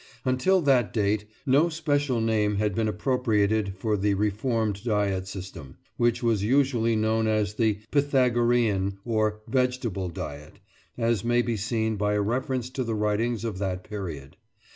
Until that date no special name had been appropriated for the reformed diet system, which was usually known as the "Pythagorean" or "vegetable diet," as may be seen by a reference to the writings of that period.